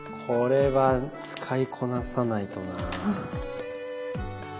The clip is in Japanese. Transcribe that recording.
これは使いこなさないとな。